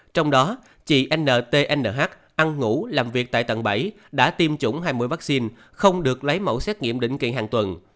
trong đó chị n t n h ăn ngủ làm việc tại tầng bảy đã tiêm chủng hai mươi vaccine không được lấy mẫu xét nghiệm định kiện hàng tuần